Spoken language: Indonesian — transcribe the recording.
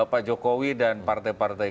pak jokowi dan partai partai